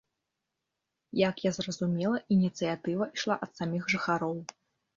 Як я зразумела, ініцыятыва ішла ад саміх жыхароў.